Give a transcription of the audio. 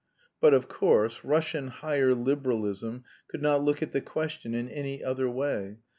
But, of course, "Russian higher liberalism" could not look at the question in any other way.